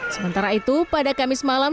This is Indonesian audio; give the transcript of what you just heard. sementara itu pada kamis malam